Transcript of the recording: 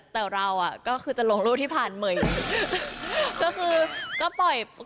แต่เราก็คือจะลงรูปที่ผ่านเหมือนกัน